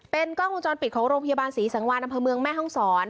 กล้องวงจรปิดของโรงพยาบาลศรีสังวานอำเภอเมืองแม่ห้องศร